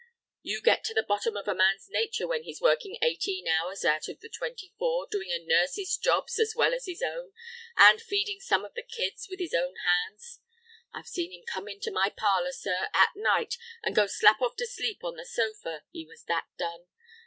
You get to the bottom of a man's nature when he's working eighteen hours out of the twenty four, doing the nurse's jobs as well as his own, and feeding some of the kids with his own hands. I've seen him come into my parlor, sir, at night, and go slap off to sleep on the sofa, he was that done.